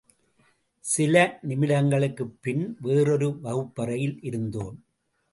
சில நிமிடங்களுக்குப் பின், வேறொரு வகுப்பறையில் இருந்தோம்.